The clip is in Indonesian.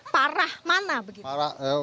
parah mana begitu